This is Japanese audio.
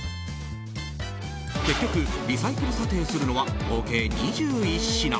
結局、リサイクル査定するのは合計２１品。